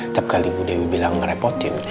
tiap kali bu dewi bilang kerepotin